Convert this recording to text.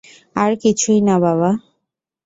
আর কিছুই না বাবা।